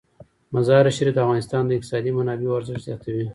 مزارشریف د افغانستان د اقتصادي منابعو ارزښت زیاتوي.